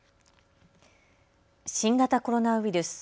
新型コロナウイルス。